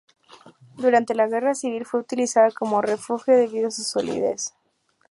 Durante la Guerra Civil fue utilizada como refugio debido a su solidez.